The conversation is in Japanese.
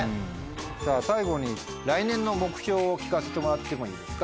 さぁ最後に来年の目標を聞かせてもらってもいいですか。